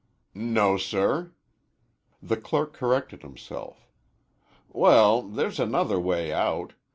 "No, sir." The clerk corrected himself. "Well, there's another way out.